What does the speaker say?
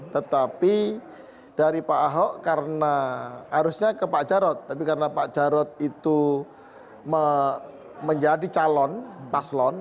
tetapi dari pak ahok karena harusnya ke pak jarod tapi karena pak jarod itu menjadi calon paslon